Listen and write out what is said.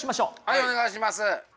はいお願いします！